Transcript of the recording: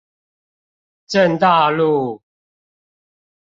正大路